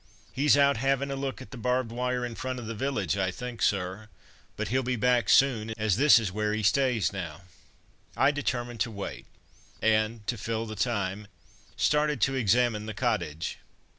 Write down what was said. "He's out havin' a look at the barbed wire in front of the village, I think, sir; but he'll be back soon, as this is where 'e stays now." I determined to wait, and, to fill in the time, started to examine the cottage.